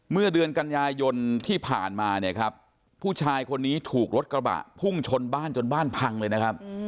เมื่อเดือนกันยายนที่ผ่านมาเนี่ยครับผู้ชายคนนี้ถูกรถกระบะพุ่งชนบ้านจนบ้านพังเลยนะครับ